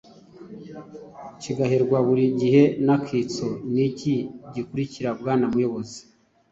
kigaherwa buri gihe n’akitso. Ni iki gikurikira bwana Muyobozi,